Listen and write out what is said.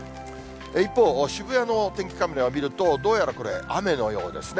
一方、渋谷の天気カメラを見ると、どうやらこれ、雨のようですね。